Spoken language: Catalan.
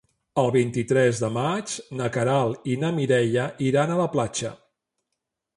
El vint-i-tres de maig na Queralt i na Mireia iran a la platja.